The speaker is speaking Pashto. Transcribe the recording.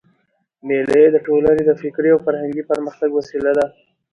مېلې د ټولني د فکري او فرهنګي پرمختګ وسیله ده.